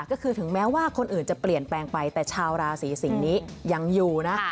ก็คือถึงแม้ว่าคนอื่นจะเปลี่ยนแปลงไปแต่ชาวราศีสิงศ์นี้ยังอยู่นะ